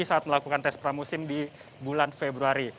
saat melakukan tes pramusim di bulan februari